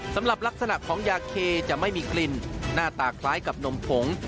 สำหรับลักษณะของยาเคจะไม่มีกลิ่นหน้าตาคล้ายกับนมผง